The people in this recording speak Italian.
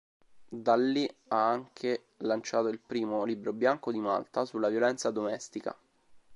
Dalli ha anche lanciato il primo libro bianco di Malta sulla violenza domestica.